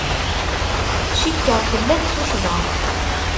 Cikkeɣ tella-d tuccḍa.